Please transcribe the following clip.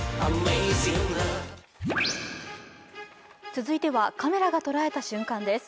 続いては、カメラが捉えた瞬間です。